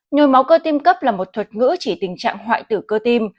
nhồi máu cơ tim cấp là một thuật ngữ chỉ tình trạng hoại tử cơ tim